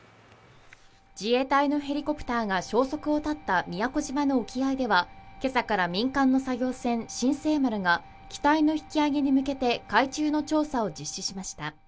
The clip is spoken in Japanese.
自衛隊のヘリコプターが消息を絶った宮古島の沖合では今朝から民間の作業船「新世丸」が機体の引き揚げに向けて海中の調査を実施しました。